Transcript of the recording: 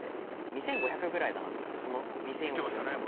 ２，５００ぐらいだなとこの２，４４８。